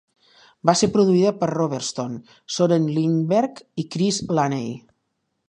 Va ser produïda per Robertson, Soren Lindberg i Chris Laney.